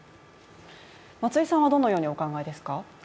松井さんはどのようにお考えですか？